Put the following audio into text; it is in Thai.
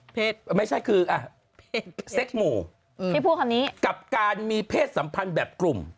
ไม่ใช่คืออ่ะเซ็กหมู่ที่พูดคำนี้กับการมีเพศสัมพันธ์แบบกลุ่ม